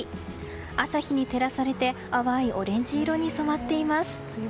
朝日に照らされて淡いオレンジ色に染まっています。